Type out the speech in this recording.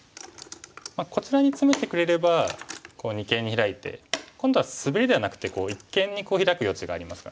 こちらにツメてくれれば二間にヒラいて今度はスベリではなくて一間にヒラく余地がありますからね。